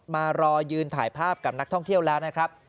มารอยืนถ่ายภาพกับนักท่องเที่ยวแล้วนะครับ